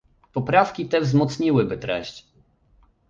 Poprawki te wzmocniłyby treść